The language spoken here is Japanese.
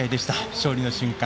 勝利の瞬間